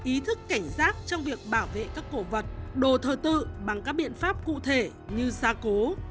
ý thức cảnh giác trong việc bảo vệ các cổ vật đồ thờ tự bằng các biện pháp cụ thể như xa cố